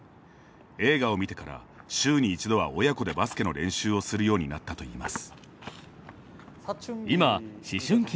映画を見てから、週に１度は親子でバスケの練習をするようになったといいます。